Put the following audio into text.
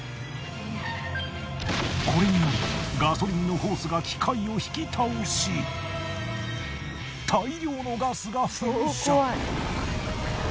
これによりガソリンのホースが機械を引き倒し大量のガスが噴射！